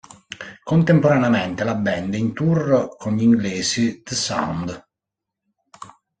Contemporaneamente la band è in tour con gli inglesi The Sound.